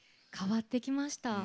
変わってきました。